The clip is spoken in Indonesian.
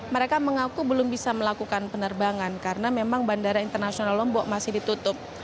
mereka mengaku belum bisa melakukan penerbangan karena memang bandara internasional lombok masih ditutup